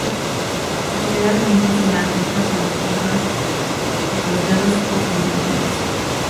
Generalmente se la aplica con esponjas, con los dedos o con pinceles.